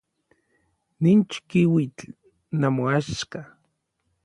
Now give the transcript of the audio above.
Nin chikiuitl namoaxka.